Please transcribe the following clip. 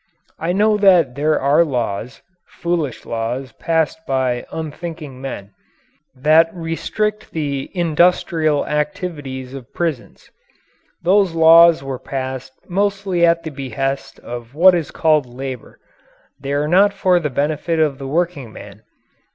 I know that there are laws foolish laws passed by unthinking men that restrict the industrial activities of prisons. Those laws were passed mostly at the behest of what is called Labour. They are not for the benefit of the workingman.